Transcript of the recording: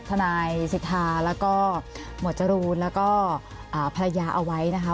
ทนายสิทธาแล้วก็หมวดจรูนแล้วก็ภรรยาเอาไว้นะคะ